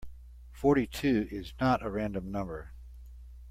Forty-two is not a random number.